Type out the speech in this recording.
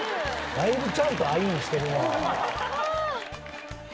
だいぶちゃんとアイーンしてるな。